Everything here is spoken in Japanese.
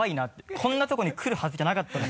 こんなとこに来るはずじゃなかったので。